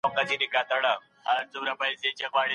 د حنفي فقهاوو په نظر ئې ميرمن طلاقه ده.